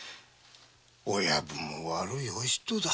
親分も悪いお人だ。